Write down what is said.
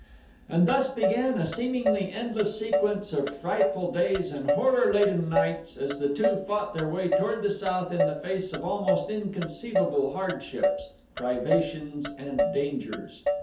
And thus began a seemingly endless sequence of frightful days and horror laden nights as the two fought their way toward the south in the face of almost inconceivable hardships, privations, and dangers.